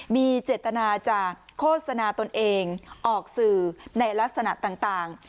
มีเจตนาจะโฆษณาตนเองออกสื่อในลักษณะต่าง